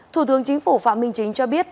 thủ tướng chính phủ phạm minh chính cho biết